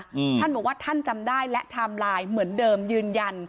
อืมท่านบอกว่าท่านจำได้และไทม์ไลน์เหมือนเดิมยืนยัน